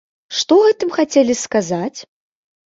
Што гэтым хацелі сказаць?